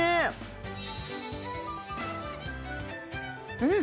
うん！